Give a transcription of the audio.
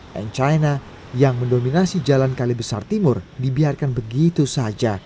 dan china yang mendominasi jalan kali besar timur dibiarkan begitu saja